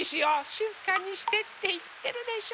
しずかにしてっていってるでしょ。